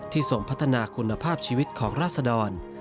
ส่งพัฒนาคุณภาพชีวิตของราศดร